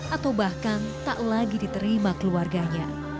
atau bahkan tak lagi diterima keluarganya